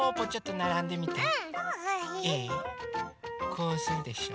こうするでしょ。